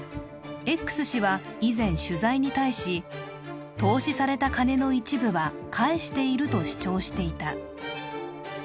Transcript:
Ｘ氏は以前、取材に対し投資された金の一部は返していると主張していた。